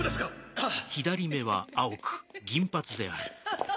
はっ！